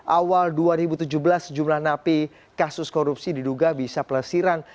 awal dua ribu tujuh belas jumlah napi kasus korupsi diduga bisa pelesiran